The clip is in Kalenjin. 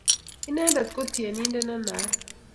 inendet ko tienindet ne naat